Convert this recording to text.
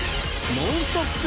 ノンストップ！